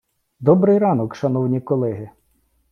Добрий ранок, шановні колеги!